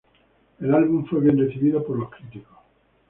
El álbum fue bien recibido por los críticos.